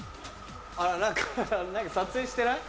あら何か撮影してない？